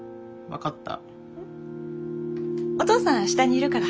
分かった。